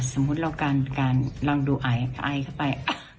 สมมุติเราการลองดูไอเข้าไป